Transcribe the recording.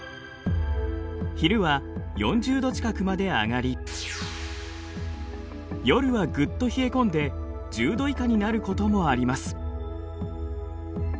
昼は４０度近くまで上がり夜はぐっと冷え込んで１０度以下になることもあります。